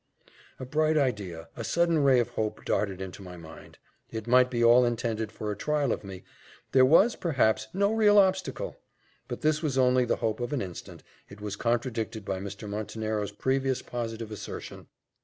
A bright idea, a sudden ray of hope, darted into my mind. It might be all intended for a trial of me there was, perhaps, no real obstacle! But this was only the hope of an instant it was contradicted by Mr. Montenero's previous positive assertion.